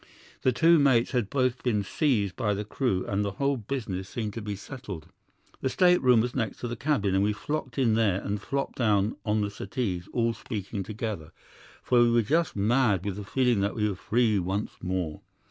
The two mates had both been seized by the crew, and the whole business seemed to be settled. "'The state room was next the cabin, and we flocked in there and flopped down on the settees, all speaking together, for we were just mad with the feeling that we were free once more.